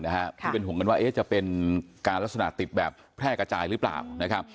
ที่เป็นห่วงกันว่าจะเป็นการลักษณะติดแบบแพร่กระจายหรือเปล่านะครับ